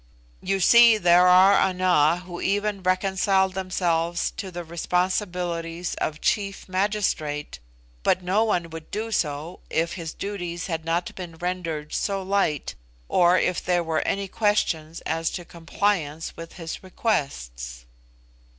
You see there are Ana who even reconcile themselves to the responsibilities of chief magistrate, but no one would do so if his duties had not been rendered so light, or if there were any questions as to compliance with his requests."